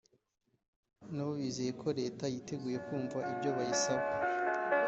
nabo bizeye ko Leta yiteguye kumva ibyo bayisaba